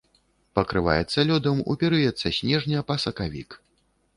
Пакрываецца лёдам у перыяд са снежня па сакавік.